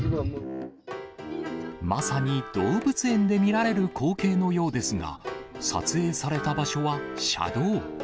まさに動物園で見られる光景のようですが、撮影された場所は、車道。